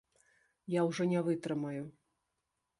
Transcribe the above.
Я ўжо не вытрымаю!